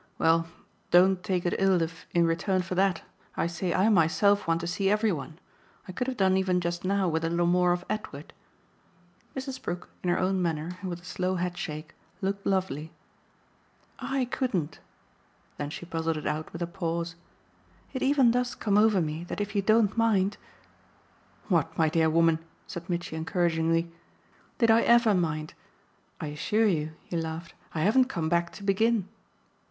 "Well, don't take it ill if, in return for that, I say I myself want to see every one. I could have done even just now with a little more of Edward." Mrs. Brook, in her own manner and with a slow headshake, looked lovely. "I couldn't." Then she puzzled it out with a pause. "It even does come over me that if you don't mind !" "What, my dear woman," said Mitchy encouragingly, "did I EVER mind? I assure you," he laughed, "I haven't come back to begin!"